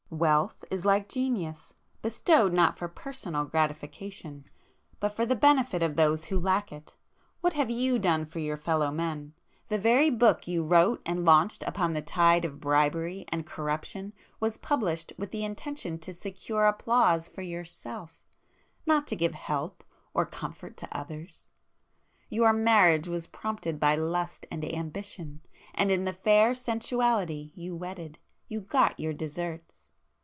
"Wealth is like Genius,—bestowed not for personal gratification, but for the benefit of those who lack it. What have you done for your fellow men? The very book you wrote and launched upon the tide of bribery and corruption was published with the intention to secure applause for Yourself, not to give help or comfort to others. Your marriage was prompted by Lust and Ambition, and in the fair Sensuality you wedded, you got your deserts!